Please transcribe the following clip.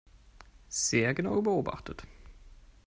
Sehr genau beobachtet.